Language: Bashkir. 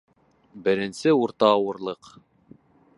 Беренсе урта ауырлыҡ